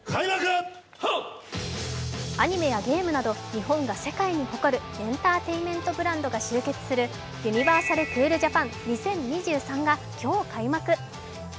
アニメやゲームなど日本が世界に誇るエンターテインメントブランドが集結するユニバーサル・クールジャパン２０２３が今日開幕。